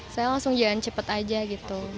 saya langsung jalan cepat aja gitu